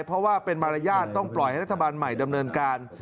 เพราะว่าเป็นมารยาทต้องปล่อยให้รัฐบาลใหม่ดำเนินการ